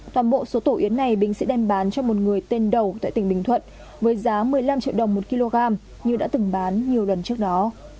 toàn bộ số tổ yến này bình sẽ đem bán cho một người tên đầu tại tỉnh bình thuận với giá một mươi năm triệu đồng một kg như đã từng bán nhiều lần trước đó